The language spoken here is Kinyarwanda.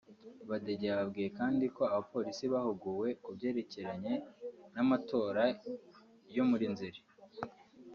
Badege yababwiye kandi ko abapolisi bahuguwe ku byerekeranye n’amatora yo muri Nzeri